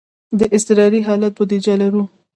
د اضطراري حالت بودیجه لرو؟